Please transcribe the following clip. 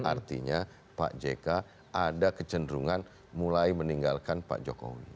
artinya pak jk ada kecenderungan mulai meninggalkan pak jokowi